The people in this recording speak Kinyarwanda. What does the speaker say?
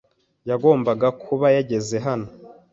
Yagomba kuba yageze hano.